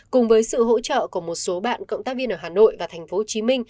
cùng với sự hỗ trợ của một số bạn cộng tác viên ở hà nội và tp hcm